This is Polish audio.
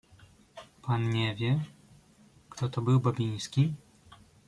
"„Pan nie wie, kto to był Babiński?"